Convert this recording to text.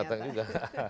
ya datang juga